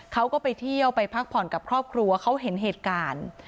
เขาก็ไปเที่ยวไปพักผ่อนกับครอบครัวเขาเห็นเหตุการณ์